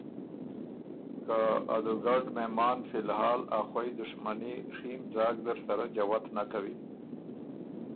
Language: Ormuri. که ادُوګډ مهمان فی الحال ا خوئ دُشمني ڒیم ځاک زر سره جوت نک کوِن